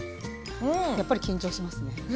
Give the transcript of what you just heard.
やっぱり緊張しますね。